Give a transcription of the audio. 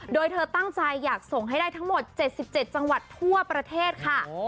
โดยเธอตั้งใจอยากส่งให้ได้ทั้งหมด๗๗จังหวัดทั่วประเทศค่ะ